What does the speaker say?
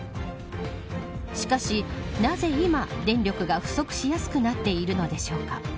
しかし、なぜ今電力が不足しやすくなっているのでしょうか。